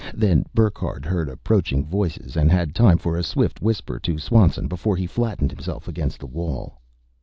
Then Burckhardt heard approaching voices and had time for a swift whisper to Swanson before he flattened himself against the wall.